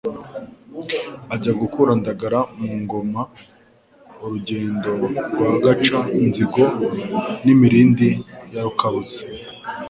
Ajya gukura Ndagara mu ngoma Urugendo rwa Gaca-nzigo N’imirindi ya Rukabuza,